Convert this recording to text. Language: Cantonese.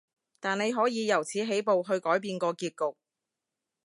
但你可以由此起步，去改變個結局